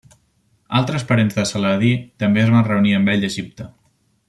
Altres parents de Saladí també es van reunir amb ell a Egipte.